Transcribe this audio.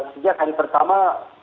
sejak hari pertama